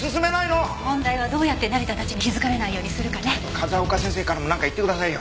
風丘先生からも何か言ってくださいよ。